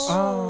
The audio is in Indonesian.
oh ya beda